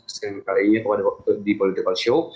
sekalian kali ini di political show